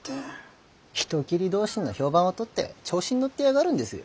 人斬り同心の評判を取って調子に乗ってやがるんですよ。